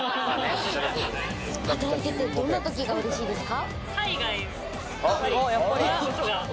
働いててどんなときが嬉しいですか？